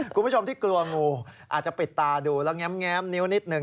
คุณผู้ชมที่กลัวงูอาจจะปิดตาดูแล้วแง้มนิ้วนิดหนึ่ง